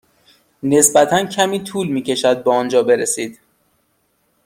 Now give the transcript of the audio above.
نسبتا کمی طول می کشد به آنجا برسید.